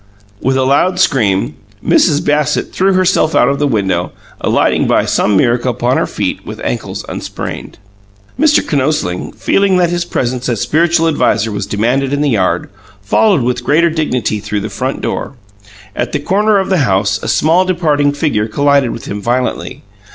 With a loud scream, Mrs. Bassett threw herself out of the window, alighting by some miracle upon her feet with ankles unsprained. Mr. Kinosling, feeling that his presence as spiritual adviser was demanded in the yard, followed with greater dignity through the front door. At the corner of the house a small departing figure collided with him violently.